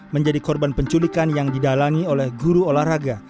menjadi korban penculikan yang didalangi oleh guru olahraga